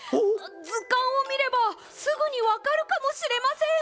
ずかんをみればすぐにわかるかもしれません！